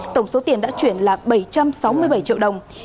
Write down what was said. tổng số tiền đã chuyển là bảy trăm sáu mươi bảy triệu đồng